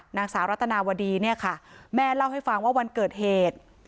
นางสาวรัตนาวดีเนี่ยค่ะแม่เล่าให้ฟังว่าวันเกิดเหตุ